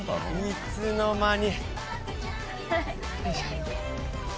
いつの間に。